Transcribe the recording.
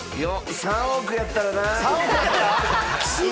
３億やったらな。